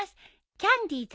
キャンディーズ